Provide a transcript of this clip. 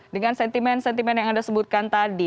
dengan sentimen sentimen yang anda sebutkan tadi